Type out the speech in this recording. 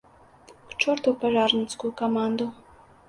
К чорту пажарніцкую каманду!